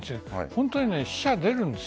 本当に死者が出るんです。